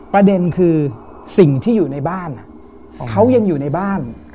ประเด็นคือสิ่งที่อยู่ในบ้านเขายังอยู่ในบ้าน